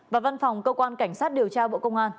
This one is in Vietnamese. và văn phòng cơ quan cảnh sát điều tra bộ công an